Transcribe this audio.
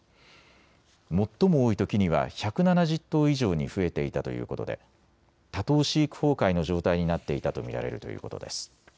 最も多いときには１７０頭以上に増えていたということで多頭飼育崩壊の状態になっていたと見られるということです。